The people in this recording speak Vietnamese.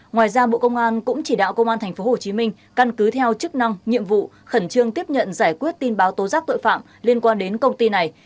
ngoài ra bộ công an cũng chỉ đạo công an tp hcm căn cứ theo chức năng nhiệm vụ khẩn trương tiếp nhận giải quyết tin báo tố giác tội phạm liên quan đến công ty này